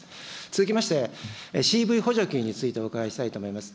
続きまして、ＣＥＶ補助金についてお伺いしたいと思います。